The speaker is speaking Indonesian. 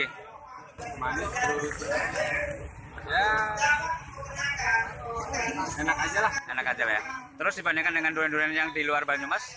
enak aja ya terus dibandingkan dengan durian durian yang di luar banyumas gimana